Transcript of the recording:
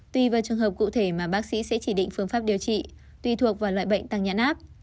tuy vào trường hợp cụ thể mà bác sĩ sẽ chỉ định phương pháp điều trị tùy thuộc vào loại bệnh tăng nhãn áp